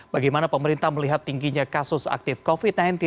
bagaimana pemerintah melihat tingginya kasus aktif covid sembilan belas